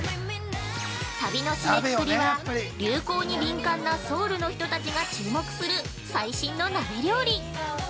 ◆旅の締めくくりは、流行に敏感なソウルの人たちが注目する最新の鍋料理。